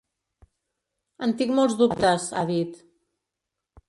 En tinc molts dubtes, ha dit.